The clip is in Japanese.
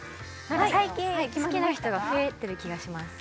最近好きな人が増えてる気がします